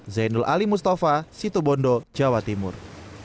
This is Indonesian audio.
zainul ali mustafa situbondo jawa timur